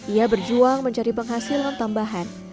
ia berjuang mencari penghasilan tambahan